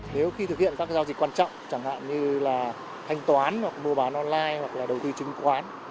nếu khi thực hiện các giao dịch quan trọng chẳng hạn như là thanh toán hoặc mua bán online hoặc là đầu tư chứng khoán